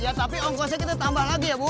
ya tapi ongkosnya kita tambah lagi ya bu